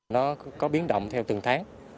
nó có biến động theo từng tháng